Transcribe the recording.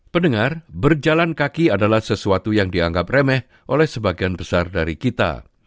pendengar berjalan kaki adalah sesuatu yang dianggap remeh oleh sebagian besar dari kita